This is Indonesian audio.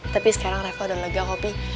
tapi sekarang refah udah lega kopi